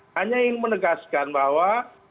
hanya yang menegaskan bahwa